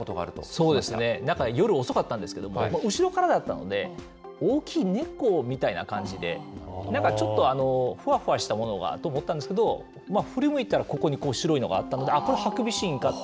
そうですね、なんか、夜遅かったんですけれども、後ろからだったので、大きい猫みたいな感じで、なんかちょっと、ふわふわしたものがと思ったんですけど、振り向いたらここに白いのがあったので、あっ、これ、ハクビシンかと。